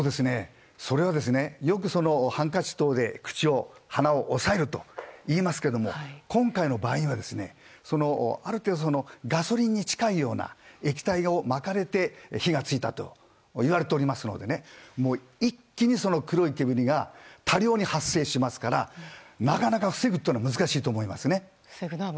それはよくハンカチ等で口、鼻を押さえるといいますけども今回の場合はある程度ガソリンに近いような液体をまかれて火が付いたといわれておりますので一気に黒い煙が多量に発生しますからなかなか防ぐのは難しいと思います。